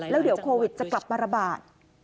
แล้วเดี๋ยวโควิดจะกลับมาระบาด